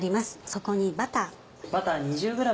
そこにバター。